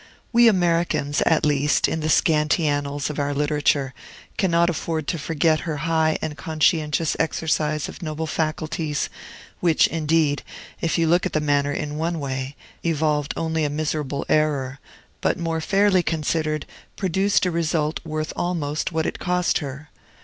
We Americans, at least, in the scanty annals of our literature, cannot afford to forget her high and conscientious exercise of noble faculties, which, indeed, if you look at the matter in one way, evolved only a miserable error, but, more fairly considered, produced a result worth almost what it cost her.